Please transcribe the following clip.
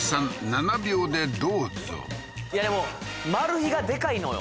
７秒でどうぞいやでもマル秘がでかいのよ